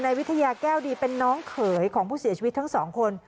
วิทยาแก้วดีเป็นน้องเขยของผู้เสียชีวิตทั้งสองคน